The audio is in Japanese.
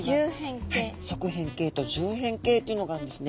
側扁形と縦扁形というのがあるんですね。